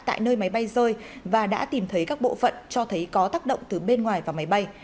tại nơi máy bay rơi và đã tìm thấy các bộ phận cho thấy có tác động từ bên ngoài vào máy bay